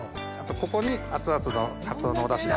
ここに熱々のカツオのお出汁を。